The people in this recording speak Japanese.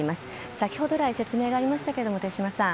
先ほど説明がありましたが手嶋さん